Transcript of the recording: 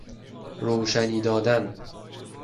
روشنی دادن